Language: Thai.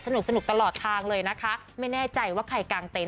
สนุกตลอดทางเลยนะคะไม่แน่ใจว่าใครกางเต็